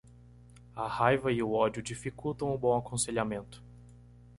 A raiva e o ódio dificultam o bom aconselhamento.